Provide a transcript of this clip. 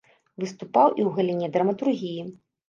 Выступаў і ў галіне драматургіі.